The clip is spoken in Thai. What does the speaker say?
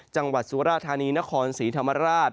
จังหวัดสุราธานีนครศรีธรรมราช